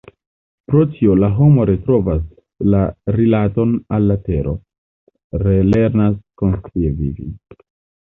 Pro tio la homo retrovas la rilaton al la tero, relernas konscie vivi.